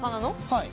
はい。